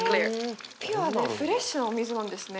ピュアなフレッシュなお水なんですね。